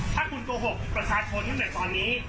ถ้าคุณโกหกประชาชนกันไหนตอนนี้